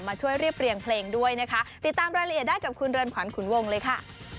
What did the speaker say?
ช่วยเรียบเรียงเพลงด้วยนะคะติดตามรายละเอียดได้กับคุณเรือนขวัญขุนวงเลยค่ะ